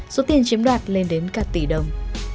số tiền chiếm đoạt lên đến các tỷ đồng